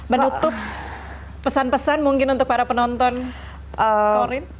menutup pesan pesan mungkin untuk para penonton korean